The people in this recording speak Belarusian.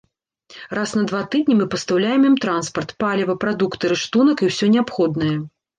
Раз на два тыдні мы пастаўляем ім транспарт, паліва, прадукты, рыштунак і ўсё неабходнае.